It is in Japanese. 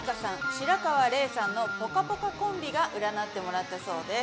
白河れいさんの『ぽかぽか』コンビが占ってもらったそうです。